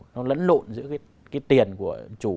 nó lẫn lộn giữa cái tiền của chủ